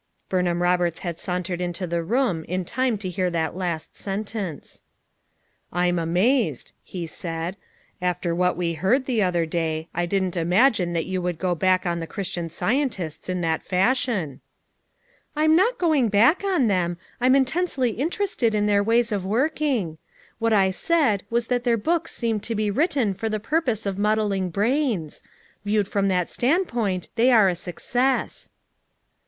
Burnham Roberts had sauntered into the room in time to hear that last sentence. "I'm amazed," he said. " After what we heard the other day I didn't imagine that you FOUR MOTHERS AT CHAUTAUQUA 81 would go hack on the Christian Scientists in that fashion." "I'm not going hack on them; I'm immensely interested in their ways of working. "What I said was that their hooks seemed to he written for the purpose of muddling brains; viewed from that standpoint they are a success."